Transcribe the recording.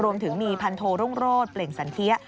รวมถึงมีพันโทรุ่งโรศเปล่งสันเทีย